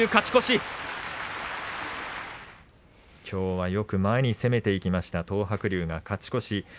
きょうはよく前に攻めていきました、東白龍が勝ち越し。